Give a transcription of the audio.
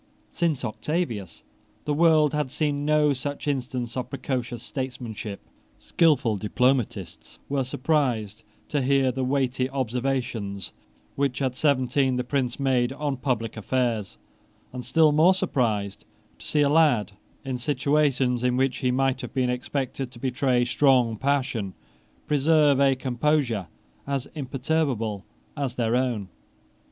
Since Octavius the world had seen no such instance of precocious statesmanship. Skilful diplomatists were surprised to hear the weighty observations which at seventeen the Prince made on public affairs, and still more surprised to see a lad, in situations in which he might have been expected to betray strong passion, preserve a composure as imperturbable as their own.